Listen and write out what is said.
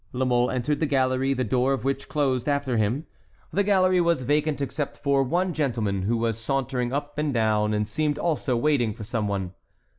La Mole entered the gallery, the door of which closed after him. The gallery was vacant except for one gentleman, who was sauntering up and down, and seemed also waiting for some one.